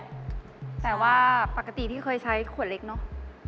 แต่ว่าปกติพี่เคยใช้ขวดเล็กเนอะ